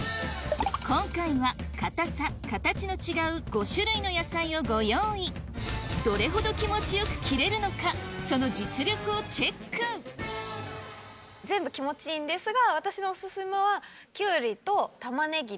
今回は硬さ形の違う５種類の野菜をご用意どれほど気持ちよく切れるのかその実力をチェック全部気持ちいいんですが。